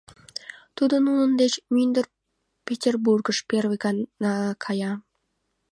Тудо нунын деч мӱндыр Петербургыш первый гана кая.